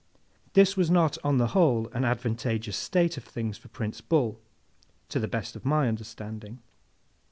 This was not on the whole an advantageous state of things for Prince Bull, to the best of my understanding.